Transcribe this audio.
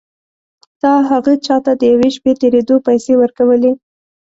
تا هغه چا ته د یوې شپې تېرېدو پيسې ورکولې.